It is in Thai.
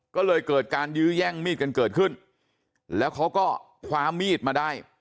ก็เลยเกิดการยื้อแย่งมีดกันเกิดขึ้นแล้วเขาก็คว้ามีดมาได้